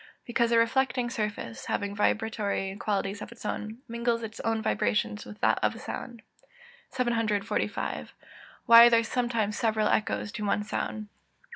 _ Because the reflecting surface, having vibratory qualities of its own, mingles its own vibrations with that of the sound. 745. _Why are there sometimes several echoes to one sound?